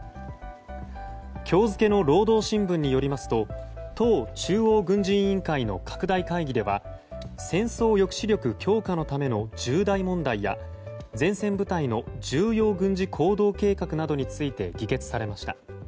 今日付の労働新聞によりますと党中央軍事委員会の拡大会議では戦争抑止力強化のための重大問題や前線部隊の重要軍事行動計画などについて議決されました。